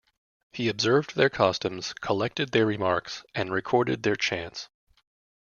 He observed their customs, collected their remarks, and recorded their chants.